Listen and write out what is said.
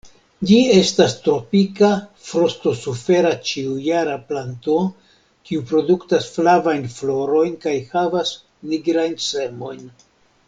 Ĝi estas tropika, frosto-sufera ĉiujara planto kiu produktas flavajn florojn kaj havas nigrajn semojn.